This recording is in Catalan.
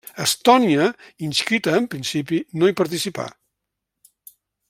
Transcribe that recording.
Estònia, inscrita en principi, no hi participà.